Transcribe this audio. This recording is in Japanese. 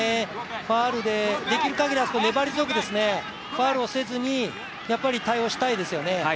ファウルで、できるかぎりあそこは粘り強くファウルをせずに対応したいですよね。